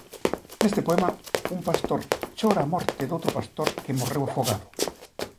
Neste poema un pastor chora a morte doutro pastor que morreu afogado.